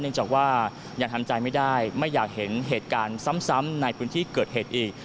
จากว่ายังทำใจไม่ได้ไม่อยากเห็นเหตุการณ์ซ้ำในพื้นที่เกิดเหตุอีก